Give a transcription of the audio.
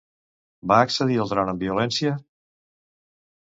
Va accedir al tron amb violència?